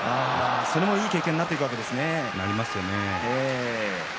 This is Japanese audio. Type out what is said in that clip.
それもいい経験になっていくわけですね。